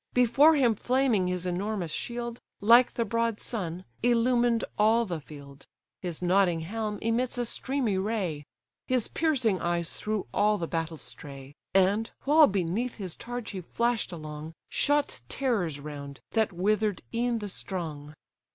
Before him flaming his enormous shield, Like the broad sun, illumined all the field; His nodding helm emits a streamy ray; His piercing eyes through all the battle stray, And, while beneath his targe he flash'd along, Shot terrors round, that wither'd e'en the strong.